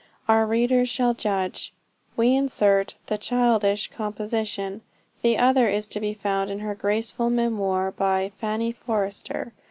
Our readers shall judge. We insert the childish composition; the other is to be found in her graceful memoir by 'Fanny Forrester.'